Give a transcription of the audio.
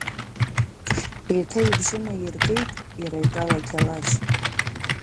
ЕиҭаибжьынаиргеитиараитәалаҚьалашь.